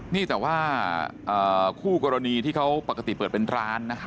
นี่แต่ว่าคู่กรณีที่เขาปกติเปิดเป็นร้านนะคะ